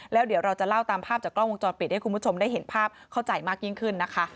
แล้วเดี๋ยวเราจะเล่าตามภาพจากกล้องวงจรปิดให้คุณผู้ชมได้เห็นภาพเข้าใจมากยิ่งขึ้นนะคะ